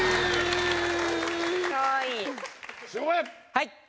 はい！